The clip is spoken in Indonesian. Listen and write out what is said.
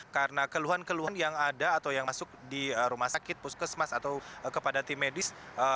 karena keluhan keluhan yang ada atau yang masuk di rumah sakit puskesmas atau kepada tim medis